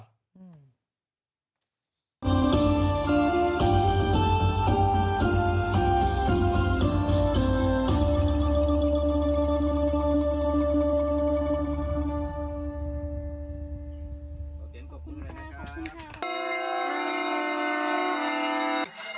ขอบเย็นขอบคุณทุกคนนะครับ